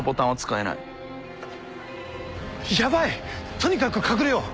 とにかく隠れよう。